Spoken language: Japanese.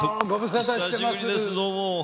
お久しぶりです、どうも。